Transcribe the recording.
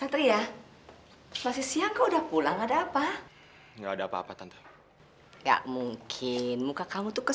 kamil itu yang pernah pergi ke channel puli